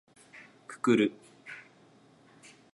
くくる